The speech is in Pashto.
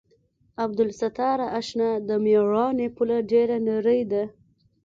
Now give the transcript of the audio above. عبدالستاره اشنا د مېړانې پوله ډېره نرۍ ده.